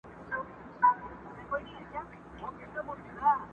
هره ټپه مي ځي میراته د لاهور تر کلي٫